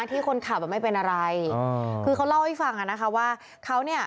ที่คนขับแบบไม่เป็นอะไรอ่าคือเขาเล่าให้ฟังอ่ะนะคะว่าเขาเนี่ย